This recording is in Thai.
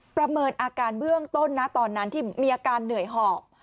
ประเมินอาการเบื้องต้นนะตอนนั้นที่มีอาการเหนื่อยหอบ